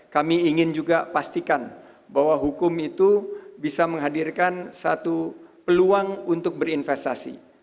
kami ingin juga pastikan bahwa hukum itu bisa menghadirkan satu peluang untuk berinvestasi